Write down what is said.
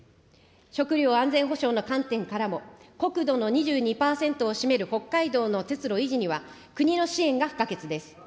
食料安全保障の観点からも、国土の２２％を占める北海道の鉄路維持には、国の支援が不可欠です。